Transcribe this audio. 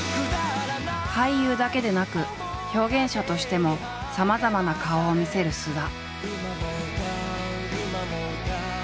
俳優だけでなく表現者としてもさまざまな顔を見せる菅田。